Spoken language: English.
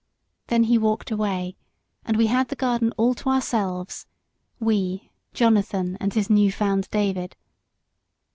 Then he walked away, and we had the garden all to ourselves we, Jonathan and his new found David.